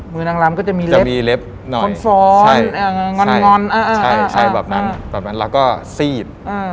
มือนางลำก็จะมีเล็บหน่อยใช่ใช่ใช่แบบนั้นแล้วก็ซีด